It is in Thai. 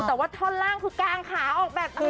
แต่ว่าท่อนล่างคือกางขาออกแบบนี้